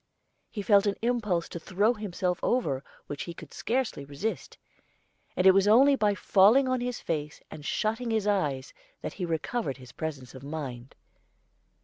He felt an impulse to throw himself over, which he could scarcely resist; and it was only by falling on his face and shutting his eyes that he recovered his presence of mind.